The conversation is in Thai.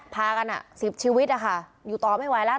พากัน๑๐ชีวิตอยู่ต่อไม่ไหวแล้ว